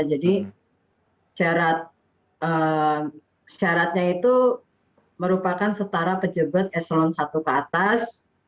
jadi syaratnya itu merupakan setara pejebet eselon satu ke atas